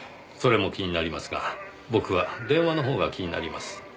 それも気になりますが僕は電話の方が気になります。